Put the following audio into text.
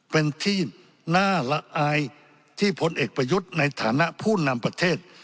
เป็นที่น่าละอายที่ผลเอกประยุทธ์ในฐานะผู้นำประเทศ